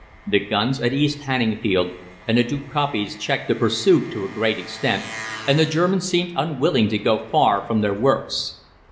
"The guns at East Hanningfield and the two kopjes checked the pursuit to a great extent, and the Germans seemed unwilling to go far from their works.